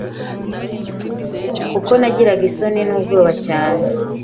kuko nagiraga isoni n’ubwoba cyane.